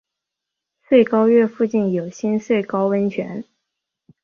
穗高岳附近有新穗高温泉。